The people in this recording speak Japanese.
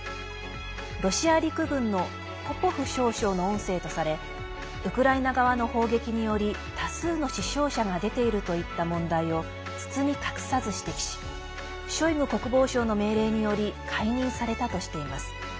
ロシア陸軍のポポフ少将の音声とされウクライナ側の砲撃により多数の死傷者が出ているといった問題を包み隠さず指摘しショイグ国防相の命令により解任されたとしています。